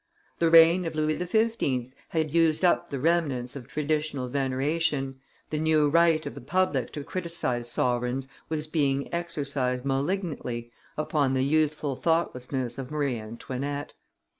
The reign of Louis XV. had used up the remnants of traditional veneration, the new right of the public to criticise sovereigns was being exercised malignantly upon the youthful thoughtlessnesses of Marie Antoinette.